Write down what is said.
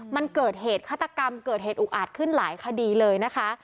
มันเกิดเหตุฆาตกรรมเกิดเหตุอุกอาจขึ้นหลายคดีเลยนะคะ